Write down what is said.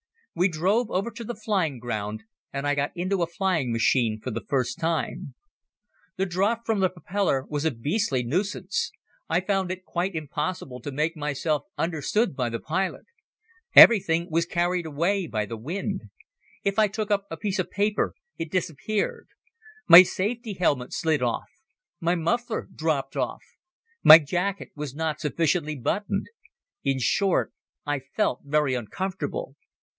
We drove over to the flying ground, and I got into a flying machine for the first time. The draught from the propeller was a beastly nuisance. I found it quite impossible to make myself understood by the pilot. Everything was carried away by the wind. If I took up a piece of paper it disappeared. My safety helmet slid off. My muffler dropped off. My jacket was not sufficiently buttoned. In short, I felt very uncomfortable.